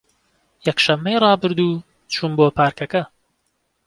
یەکشەممەی ڕابردوو چووم بۆ پارکەکە.